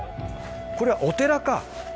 これはお寺か。